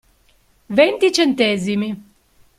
Venti centesimi!